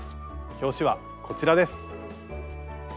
表紙はこちらです。